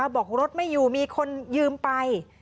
บอกรถไม่อยู่มีคนยืมไป